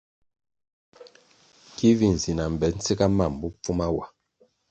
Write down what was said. Ki vi nzi na mbpe ntsiga mam bopfuma wa.